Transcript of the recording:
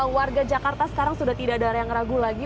warga jakarta sekarang sudah tidak ada yang ragu lagi